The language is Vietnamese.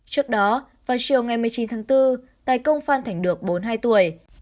trước đó vào chiều ngày một mươi chín tháng bốn tài công phan thành được bốn mươi hai tuổi